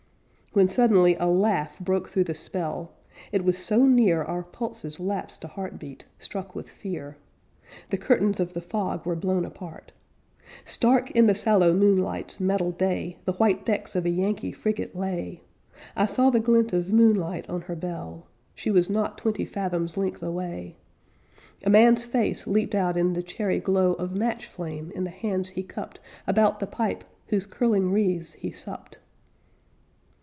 When suddenly a laugh broke through the spell; It was so near Our pulses lapsed a heart beat, Struck with fear. The curtains of the fog were blown apart; Stark in the sallow moonlight's metal day, The white decks of a Yankee frigate lay. I saw the glint of moonlight on her bell; She was not twenty fathoms length away. A man's face leaped out in the cherry glow Of match flame in the hands he cupped About the pipe whose curling wreaths he supped.